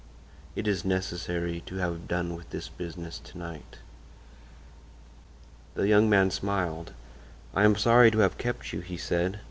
"It is necessary to have done with this business to night." The young man smiled. "I am sorry to have kept you," he said.